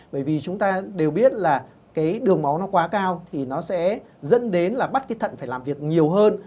bởi vì chúng ta đều biết là cái đường máu nó quá cao thì nó sẽ dẫn đến là bắt cái thận phải làm việc nhiều hơn